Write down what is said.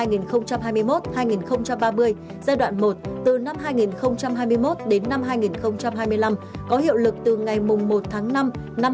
giai đoạn hai nghìn hai mươi một hai nghìn ba mươi giai đoạn một từ năm hai nghìn hai mươi một đến năm hai nghìn hai mươi năm có hiệu lực từ ngày một tháng năm năm hai nghìn hai mươi hai